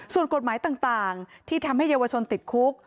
ส่วนกฎหมายต่างที่ทำให้เยาวชนติดคุก